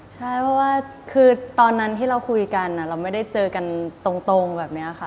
ใช่เพราะว่าคือตอนนั้นที่เราคุยกันเราไม่ได้เจอกันตรงแบบนี้ค่ะ